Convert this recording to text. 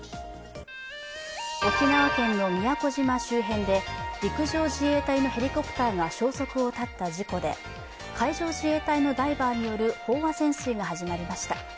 沖縄県の宮古島周辺で陸上自衛隊のヘリコプターが消息を絶った事故で海上自衛隊のダイバーによる飽和潜水が始まりました。